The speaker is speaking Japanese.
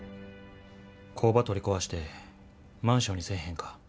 工場取り壊してマンションにせえへんか？